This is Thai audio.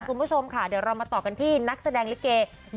คุณผู้ชมค่ะเดี๋ยวเรามาต่อกันที่นักแสดงอัพยาธิริเกษณภาษา